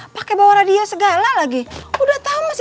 pak kemet mukanya bengkak sakit gak